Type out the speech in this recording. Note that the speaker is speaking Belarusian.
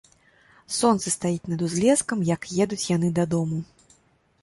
Сонца стаіць над узлескам, як едуць яны дадому.